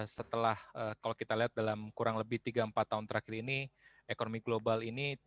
setelah kalau kita lihat dalam kurang lebih tiga empat tahun terakhir ini ekonomi global ini